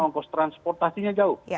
ongkos transportasinya jauh